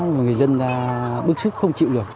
người dân bức xúc không chịu được